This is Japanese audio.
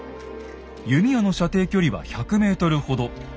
弓矢の射程距離は１００ｍほど。